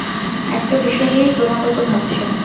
একটা বিষয় নিয়ে ক্রমাগত ভাবছেন।